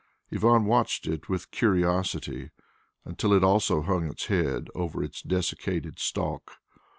Ivan watched it with curiosity until it also hung its head over its desiccated stalk.